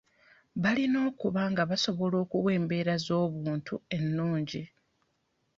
Balina okuba nga basobola okuwa embeera z'obuntu ennungi.